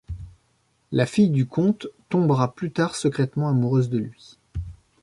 La fille du comte tombera plus tard secrètement amoureuse de lui.